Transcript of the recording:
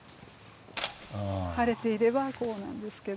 晴れていればこうなんですけど。